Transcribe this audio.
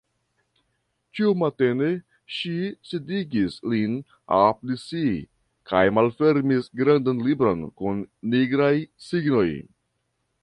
Ĉiumatene ŝi sidigis lin apud si kaj malfermis grandan libron kun nigraj signoj.